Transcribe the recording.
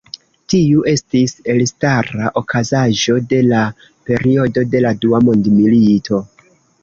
Tiu estis elstara okazaĵo de la periodo de la Dua Mondmilito.